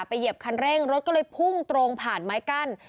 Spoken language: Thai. เหยียบคันเร่งรถก็เลยพุ่งตรงผ่านไม้กั้น